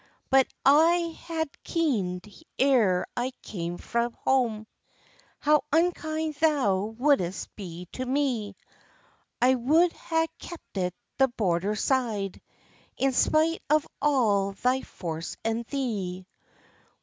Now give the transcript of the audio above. "But had I kenn'd, ere I came frae hame, How unkind thou wou'dst been to me, I wou'd ha'e keepit the Border side, In spite of all thy force and thee.